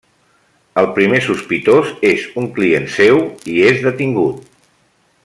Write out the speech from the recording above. El primer sospitós és un client seu, i és detingut.